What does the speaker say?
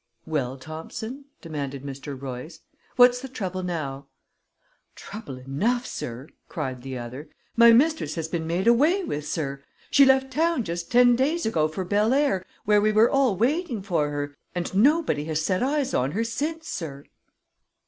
"Well, Thompson," demanded Mr. Royce, "what's the trouble now?" "Trouble enough, sir!" cried the other. "My mistress has been made away with, sir! She left town just ten days ago for Belair, where we were all waiting for her, and nobody has set eyes on her since, sir!"